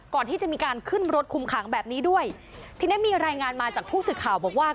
ก่อนที่จะมีการขึ้นรถคุมขังแบบนี้ด้วยทีนี้มีรายงานมาจากผู้สื่อข่าวบอกว่า